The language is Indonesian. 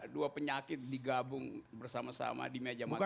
dua penyakit digabung bersama sama di meja makan